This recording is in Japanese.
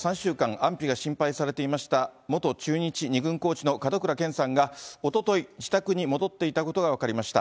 安否が心配されていました元中日２軍コーチの門倉健さんが、おととい、自宅に戻っていたことが分かりました。